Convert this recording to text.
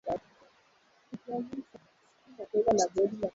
mwaka mwaka kuwa mazuri zaidi kuliko alipokuwa hapo awali